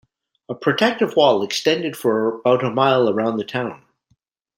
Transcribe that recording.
A protective wall extended for about a mile around the town.